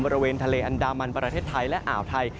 บริเวณทะเลอันดามันประเทศไทยและอ่าวไทย